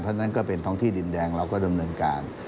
เพราะฉะนั้นก็เป็นท้องที่ดินแดงเราก็ดำเนินการ